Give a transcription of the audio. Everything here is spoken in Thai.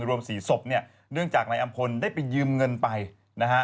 รวม๔ศพเนี่ยเนื่องจากนายอำพลได้ไปยืมเงินไปนะฮะ